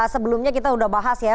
sebelumnya kita sudah bahas ya